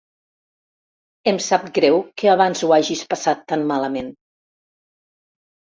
Em sap greu que abans ho hagis passat tan malament.